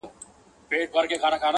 زما پۀ زړۀ بلاندي د تورو ګزارونه كېدل,